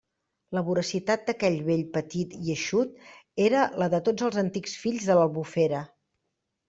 La voracitat d'aquell vell petit i eixut era la de tots els antics fills de l'Albufera.